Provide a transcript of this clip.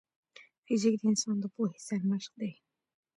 فزیک د انسان د پوهې سرمشق دی.